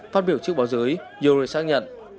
phát biểu trước báo giới yorui xác nhận